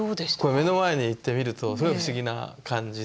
目の前に行って見ると不思議な感じで。